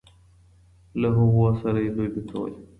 له هغوی سره یې لوبې کولې.